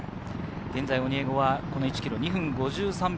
オニエゴは１ｋｍ、２分５３秒。